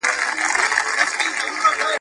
ویل کوچ وکړ یارانو ویل ړنګ سول محفلونه !.